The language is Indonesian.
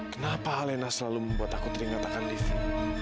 kenapa alena selalu membuat aku teringat akan diva